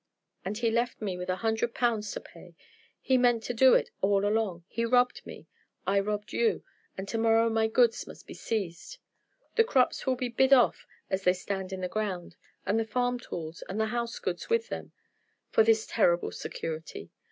"And he left me with a hundred pounds to pay. He meant to do it all along. He robbed me; I robbed you; and to morrow my goods must be seized. The crops will be bid off as they stand in the ground, and the farm tools and the house goods with them, for this terrible security.